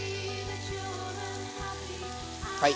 はい。